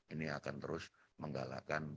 ini akan terus menggalakkan